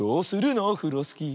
オフロスキー」